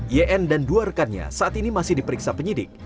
yn dan dua rekannya saat ini masih diperiksa penyidik